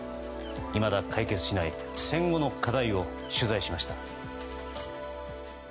いまだ解決しない戦後の課題を取材しました。